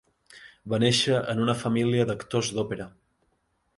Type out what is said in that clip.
Va néixer en una família d'actors d'òpera.